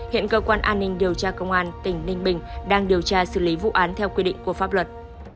hiện cơ quan an ninh điều tra công an tỉnh ninh bình đang điều tra xử lý vụ án theo quy định của pháp luật